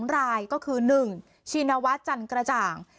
๒รายก็คือ๑ชินวัฒน์จันกระจ่าง